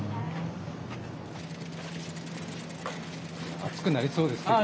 暑くなりそうですけど。